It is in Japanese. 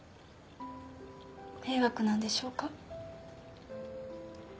迷惑なんでしょうか？